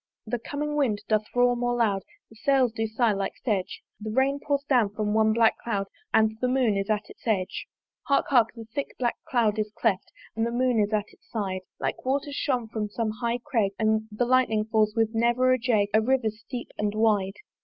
The coming wind doth roar more loud; The sails do sigh, like sedge: The rain pours down from one black cloud And the Moon is at its edge. Hark! hark! the thick black cloud is cleft, And the Moon is at its side: Like waters shot from some high crag, The lightning falls with never a jag A river steep and wide.